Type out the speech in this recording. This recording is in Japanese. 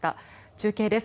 中継です。